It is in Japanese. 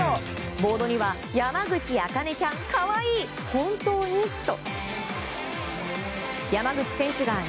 ボードには山口茜ちゃん可愛い本当にと。